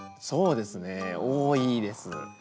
そうですね多いです。